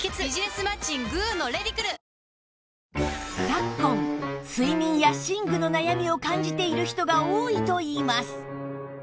昨今睡眠や寝具の悩みを感じている人が多いといいます